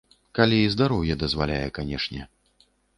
Калі здароўе дазваляе, канешне.